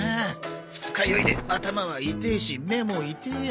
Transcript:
二日酔いで頭は痛えし目も痛えよ。